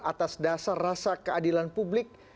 atas dasar rasa keadilan publik